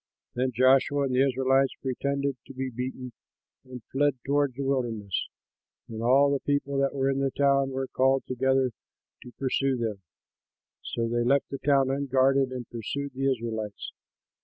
Then Joshua and the Israelites pretended to be beaten and fled toward the wilderness; and all the people that were in the town were called together to pursue them. So they left the town unguarded and pursued the Israelites.